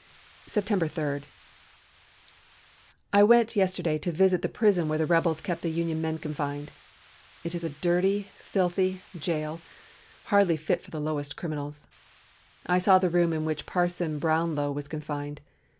"September 3. "I went yesterday to visit the prison where the rebels kept the Union men confined. It is a dirty, filthy, jail, hardly fit for the lowest criminals. I saw the room in which Parson Brownlow was confined.